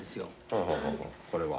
ほうほうほうほうこれは。